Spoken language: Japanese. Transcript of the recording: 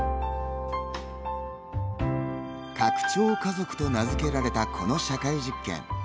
拡張家族と名付けられたこの社会実験。